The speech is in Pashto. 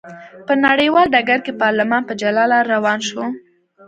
په نړیوال ډګر کې پارلمان په جلا لار روان شو.